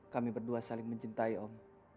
kami berdua saling mencintai om